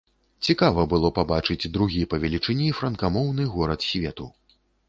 Цікава было пабачыць другі па велічыні франкамоўны горад свету.